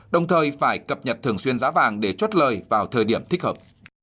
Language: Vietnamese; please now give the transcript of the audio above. đồng thời phải cập nhật thường xuyên giá vàng để chốt lời vào thời điểm thích hợp